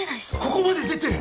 ここまで出てる！